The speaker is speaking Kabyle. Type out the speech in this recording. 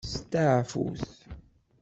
Steɛfut.